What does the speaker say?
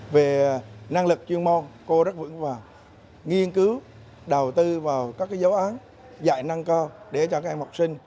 về năng lực chuyên môn cô rất vững vàng nghiên cứu đầu tư vào các giáo án dạy năng cao để cho các em học sinh